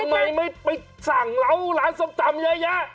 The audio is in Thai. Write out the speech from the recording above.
ทำไมไม่ไปสั่งเราร้านสมตำเยอะ